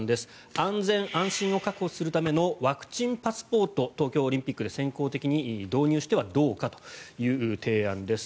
安全安心を確保するためのワクチンパスポート東京オリンピックで先行的に導入してはどうかという提案です。